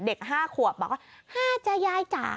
เด็ก๕ขวบบอกว่า๕จ้ายายจ๋า